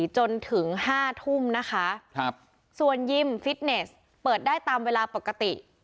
จนถึงห้าทุ่มนะคะครับส่วนยิมฟิตเนสเปิดได้ตามเวลาปกติ